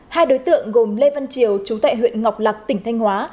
hai đối tượng gồm lê văn triều chú tại huyện ngọc lạc tỉnh thanh hóa